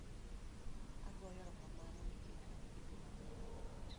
agoyo aromakano nikech idhi maber